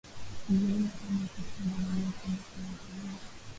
ishirini na tano wakati wa Januari Kwenye sehemu za juu